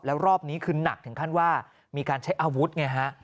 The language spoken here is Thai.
แล้วรอบนี้คือหนักถึงขั้นว่ามีการใช้อาวุธไงฮะ